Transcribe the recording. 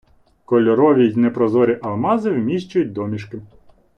Кольорові й непрозорі алмази вміщують домішки